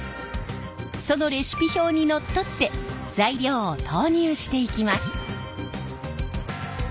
そのレシピ表にのっとって材料を投入していきます。